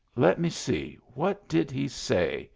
Let me see. What did he say?